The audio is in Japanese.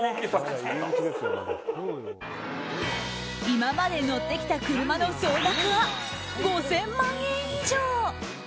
今まで乗ってきた車の総額は５０００万円以上。